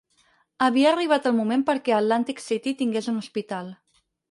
Havia arribat el moment perquè Atlantic City tingués un hospital.